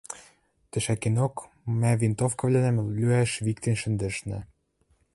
Тӹшӓкенок мӓ винтовкывлӓнӓм лӱӓш виктен шӹндӹшнӓ.